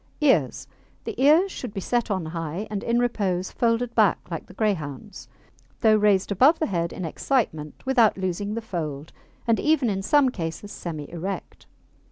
EARS The ears should be set on high, and, in repose, folded back like the Greyhound's, though raised above the head in excitement without losing the fold, and even, in some cases, semi erect.